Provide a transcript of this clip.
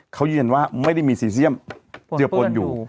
เขายืนยันว่าไม่ได้มีซีเซียมเจือปนอยู่